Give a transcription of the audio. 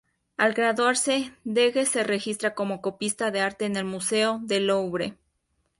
Al graduarse, Degas se registra como copista de arte en el Museo de Louvre.